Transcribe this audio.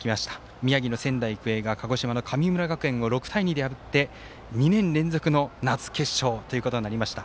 宮城の仙台育英が鹿児島の神村学園を６対２で破って２年連続の夏、決勝となりました。